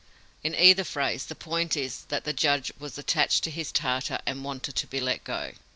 In either phrase, the point is that the judge was attached to his Tartar and wanted to be let go!)